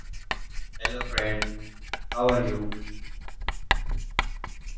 He also represented Argentina in matches against touring sides.